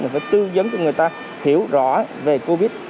phải tư dấn cho người ta hiểu rõ về covid